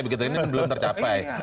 begitu ini belum tercapai